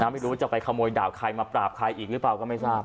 ไม่รู้จะไปขโมยดาบใครมาปราบใครอีกหรือเปล่าก็ไม่ทราบ